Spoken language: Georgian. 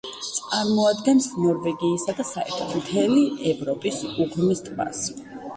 წარმოადგენს ნორვეგიისა და საერთოდ, მთელი ევროპის უღრმეს ტბას.